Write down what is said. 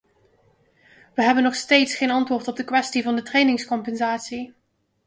We hebben nog steeds geen antwoord op de kwestie van de trainingscompensatie.